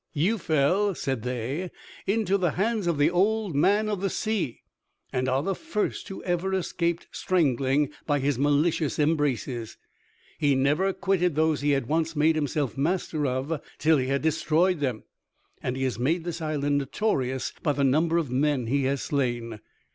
"You fell," said they, "into the hands of the Old Man of the Sea, and are the first who ever escaped strangling by his malicious embraces. He never quitted those he had once made himself master of till he had destroyed them, and he has made this island notorious by the number of men he has slain."